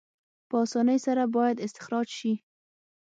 په اسانۍ سره باید استخراج شي.